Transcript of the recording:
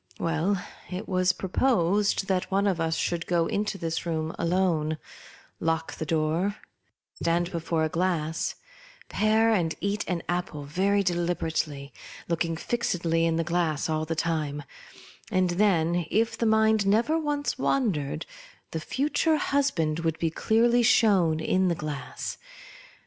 Well, it was proposed that one of us should go into this room alone, lock the door, stand before a glass, pare and eat an apple very deliberately, looking fixedly in the glass all the time ; and then, if the mind never once wandered, the future husband would be clearly shown in the glass.